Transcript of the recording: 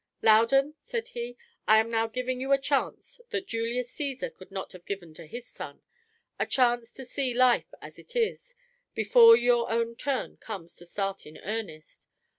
"Loudon," said he, "I am now giving you a chance that Julius Caesar could not have given to his son a chance to see life as it is, before your own turn comes to start in earnest.